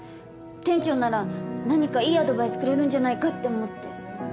店長なら何かいいアドバイスくれるんじゃないかって思って。